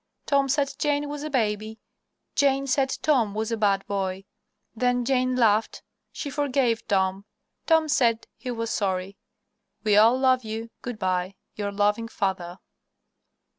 Tom said Jane was a baby. Jane said Tom was a bad boy. Then Jane laughed. She forgave Tom. Tom said he was sorry. "We all love you. "Good by. "Your loving "FATHER."